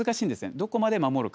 どこまで守るか。